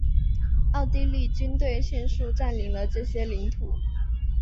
奥地利军队迅速占领了这些领土。